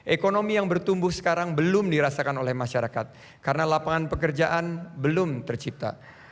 ekonomi yang bertumbuh sekarang belum dirasakan oleh masyarakat karena lapangan pekerjaan belum tercipta